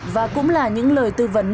và cũng là những lời tư vấn